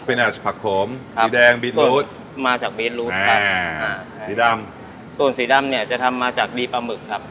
สปินาจผักโขมครับสีแดงมาจากอ่าสีดำส่วนสีดำเนี่ยจะทำมาจากดีปลาหมึกครับ